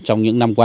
trong những năm qua